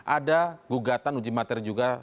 ada gugatan uji materi juga